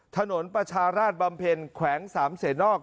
ถนนประชาราชบำเพ็ญแขวงสามเศษอก